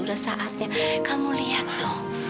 udah saatnya kamu lihat tuh